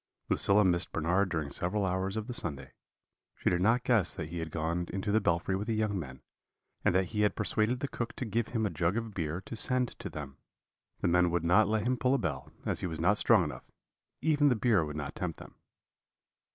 "Lucilla missed Bernard during several hours of the Sunday; she did not guess that he had gone into the belfry with the young men, and that he had persuaded the cook to give him a jug of beer to send to them. The men would not let him pull a bell, as he was not strong enough even the beer would not tempt them.